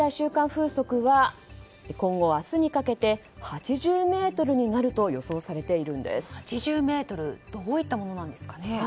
風速は今後、明日にかけて８０メートルになると８０メートルとはどういったものなんですかね。